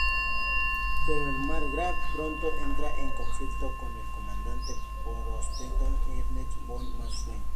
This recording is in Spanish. Pero el Margrave pronto entra en conflicto con el comandante protestante Ernst von Mansfeld.